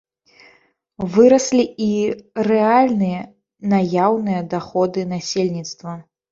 Выраслі і рэальныя наяўныя даходы насельніцтва.